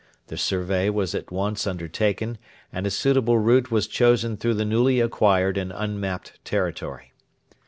The survey was at once undertaken, and a suitable route was chosen through the newly acquired and unmapped territory.